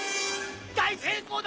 大成功だ！